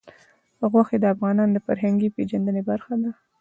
غوښې د افغانانو د فرهنګي پیژندنې برخه ده.